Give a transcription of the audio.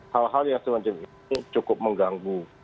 hal hal yang semacam ini cukup mengganggu